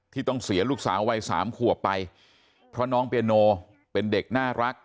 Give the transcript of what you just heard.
ต้องเสียลูกสาววัยสามขวบไปเพราะน้องเปียโนเป็นเด็กน่ารัก